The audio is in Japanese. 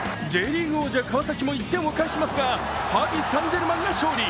Ｊリーグ王者・川崎も１点を返しますがパリ・サン＝ジェルマンが勝利。